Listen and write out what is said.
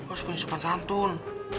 oh sepenuhnya sepan santun